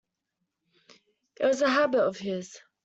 It was a habit of his.